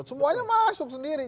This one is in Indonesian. semuanya masuk sendiri